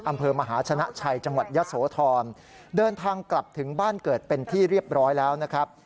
อำเภอมหาชนะชัยจังหวัดยะโสธรเดินทางกลับถึงบ้านเกิดเป็นที่เรียบร้อยแล้วนะครับ